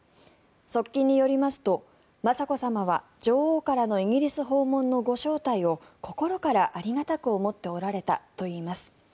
側近によりますと、雅子さまは女王からのイギリス訪問のご招待を心からありがたく思っておられたといいます。